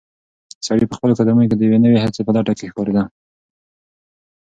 سړی په خپلو قدمونو کې د یوې نوې هڅې په لټه کې ښکارېده.